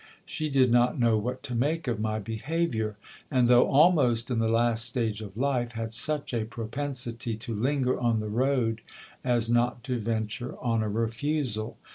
She did not know what to make of my behaviour ; and, though almost in the last stage of life, had such a propensity to linger on the road as not to venture on a refusal.